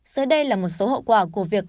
giới đây là một số hậu quả của việc